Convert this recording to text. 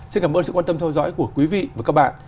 xin cảm ơn sự quan tâm theo dõi của quý vị và các bạn